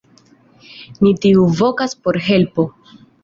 Ni tuj vokas por helpo.“